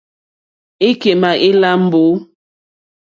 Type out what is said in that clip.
Íkémà ílâ mbǒ.